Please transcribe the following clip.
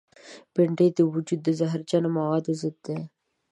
بېنډۍ د وجود د زهرجنو موادو ضد ده